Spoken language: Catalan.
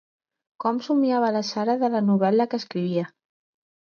Com somniava la Sara de la novel·la que escrivia.